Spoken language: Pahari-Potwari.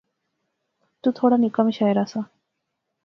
تو تھوڑا نکا مشاعرہ سا